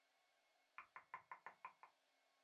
سیلابونه د افغانستان د طبعي سیسټم توازن په ښه توګه ساتي.